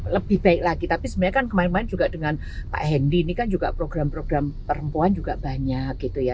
lebih baik lagi tapi sebenarnya kan kemarin main juga dengan pak hendy ini kan juga program program perempuan juga banyak gitu ya